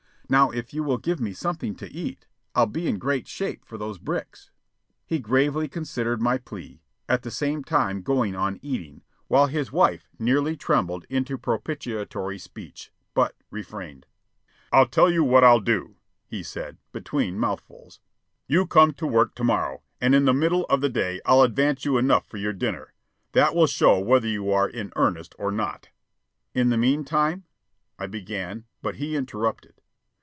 Now if you will give me something to eat, I'll be in great shape for those bricks." He gravely considered my plea, at the same time going on eating, while his wife nearly trembled into propitiatory speech, but refrained. "I'll tell you what I'll do," he said between mouthfuls. "You come to work to morrow, and in the middle of the day I'll advance you enough for your dinner. That will show whether you are in earnest or not." "In the meantime " I began; but he interrupted.